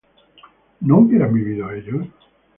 ¿no hubieran vivido ellos?